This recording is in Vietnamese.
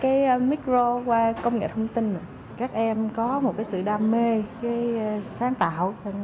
qua micro qua công nghệ thông tin các em có một sự đam mê sáng tạo